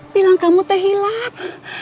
bilang kamu udah hilang